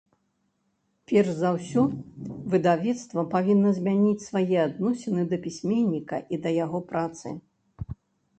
Перш за ўсё выдавецтва павінна змяніць свае адносіны да пісьменніка і да яго працы.